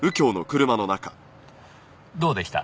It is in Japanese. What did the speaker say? どうでした？